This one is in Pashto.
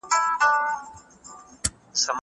انسان په سختۍ کې خپلو دوستانو ته اړتیا لري.